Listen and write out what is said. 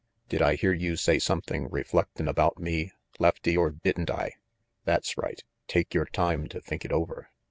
Did I hear you say something reflectin' about me, Lefty, er didn't I? That's right. Take your time to think it over.